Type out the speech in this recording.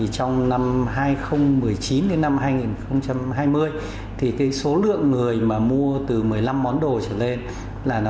trong năm hai nghìn một mươi chín đến năm hai nghìn hai mươi số lượng người mua từ một mươi năm món đồ trở lên là